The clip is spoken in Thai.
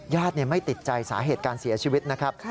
ไม่ติดใจสาเหตุการเสียชีวิตนะครับ